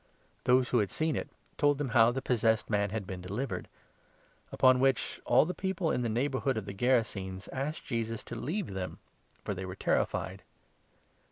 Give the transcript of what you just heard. Those who had seen it told them how 36 the possessed man had been delivered ; upon which all the 37 people in the neighbourhood of the Gerasenes asked Jesus to leave them, for they were terrified.